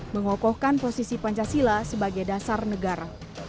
mengokohkan posisi pancasila sebagai dasar negara